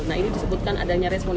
nah ini disebutkan ada nyaris